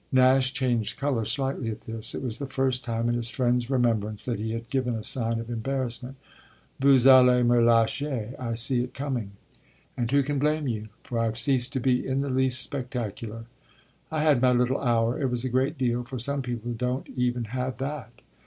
Nash changed colour slightly at this; it was the first time in his friend's remembrance that he had given a sign of embarrassment. "Vous allez me lâcher, I see it coming; and who can blame you? for I've ceased to be in the least spectacular. I had my little hour; it was a great deal, for some people don't even have that.